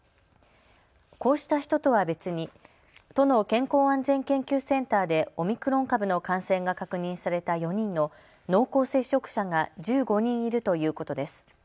こうした人とは別に都の健康安全研究センターでオミクロン株の感染が確認された４人の濃厚接触者が１５人いるということです。